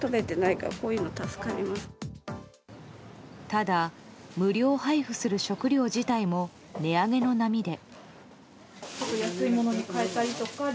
ただ、無料配布する食料自体も値上げの波で。